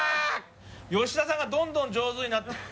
吉田さんがどんどん上手になってる。